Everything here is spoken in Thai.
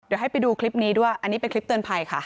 เดี๋ยวให้ไปดูคลิปนี้ด้วยอันนี้เป็นคลิปเตือนภัยค่ะ